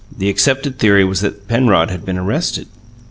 The accepted theory was that Penrod had been arrested.